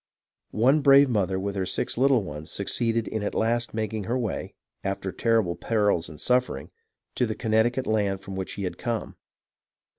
One brave mother with her six little ones succeeded in at last making her way, after terrible perils and suffering, to the Connecticut land from which she had come.